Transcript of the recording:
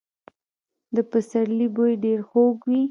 د پسرلي بوی ډېر خوږ وي.